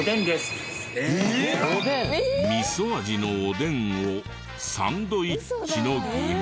味噌味のおでんをサンドウィッチの具に。